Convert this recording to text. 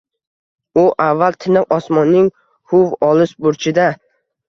U avval tiniq osmonning huv olis burchida.